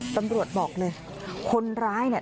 ตำรวจบอกเลยคนร้ายเนี่ย